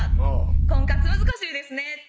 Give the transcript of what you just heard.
「婚活難しいですね」